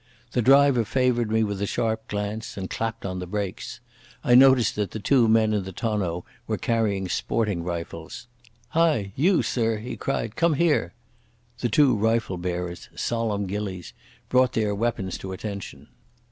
The driver favoured me with a sharp glance, and clapped on the brakes. I noted that the two men in the tonneau were carrying sporting rifles. "Hi, you, sir," he cried. "Come here." The two rifle bearers—solemn gillies—brought their weapons to attention.